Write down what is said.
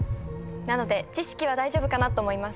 なので知識は大丈夫かなと思います。